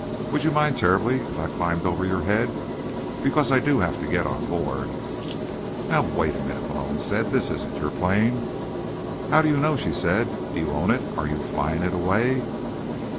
"Would you mind terribly if I climbed over your head? Because I do have to get on board." "Now wait a minute," Malone said. "This isn't your plane." "How do you know?" she said. "Do you own it? Are you flying it away?"